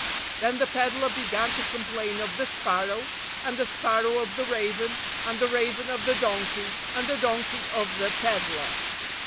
Then the peddler began to complain of the sparrow, and the sparrow of the raven, and the raven of the donkey, and the donkey of the peddler.